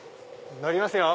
乗りますよ！